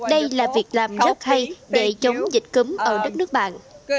đây là việc làm rất hay để chống dịch cúm ở đất nước bạn